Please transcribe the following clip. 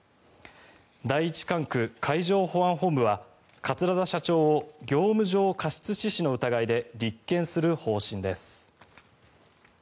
第一管区海上保安本部は桂田社長を業務上過失致死の疑いで立件する方針です。